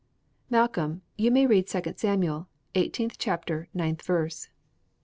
Malcolm, you may read Second Samuel, eighteenth chapter, ninth verse." Josh.